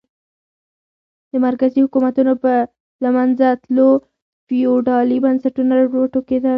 د مرکزي حکومتونو په له منځه تلو فیوډالي بنسټونه را وټوکېدل.